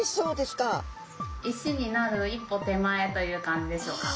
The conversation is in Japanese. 石になる一歩手前という感じでしょうか。